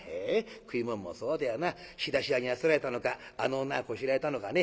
食い物もそうだよな仕出し屋にあつらえたのかあの女がこしらえたのかね？